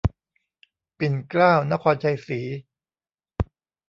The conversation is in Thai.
ปิ่นเกล้า นครชัยศรี